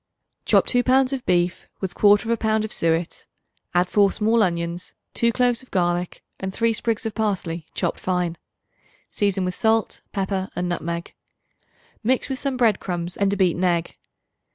Chop 2 pounds of beef with 1/4 pound of suet; add 4 small onions, 2 cloves of garlic and 3 sprigs of parsley chopped fine. Season with salt, pepper and nutmeg. Mix with some bread crumbs and a beaten egg.